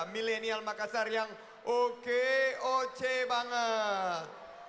millenial makassar yang oke oce banget